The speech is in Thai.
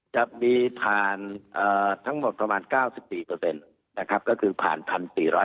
จะมีผ่านทั้งหมดประมาณ๙๔เปอร์เซ็นต์ก็คือผ่าน๑๔๙๐คัน